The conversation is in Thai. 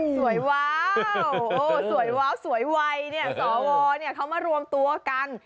สวยวาวสวยวาวสวยวัยเนี่ยสอวเขามารวมตัวกัน